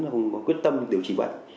không có quyết tâm điều trị bệnh